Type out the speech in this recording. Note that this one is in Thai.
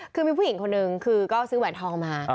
คือมีผู้หญิงคนนึงคือก็ซื้อแหวนทองมา